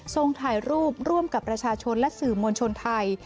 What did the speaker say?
ส่งถ่ายรูปร่วมกับประชาชนและสื่อมวลชนไทย